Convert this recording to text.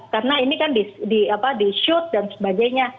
karena ini kan di shoot dan sebagainya